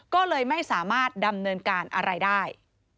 ก็เลยไม่สามารถดำเนินการอะไรได้